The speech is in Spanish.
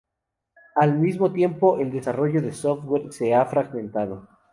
Al mismo tiempo, el desarrollo de software se ha fragmentado.